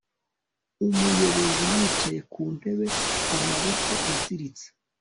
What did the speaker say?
Umuyobozi yicaye ku ntebe amaboko aziritse